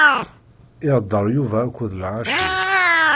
Ihḍeṛ Yuba akked lɣaci.